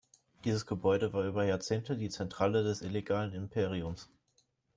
Dieses Gebäude war über Jahrzehnte die Zentrale des illegalen Imperiums.